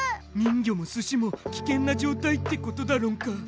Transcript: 人魚もスシも危険な状態ってことだろんか。